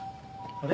あれ？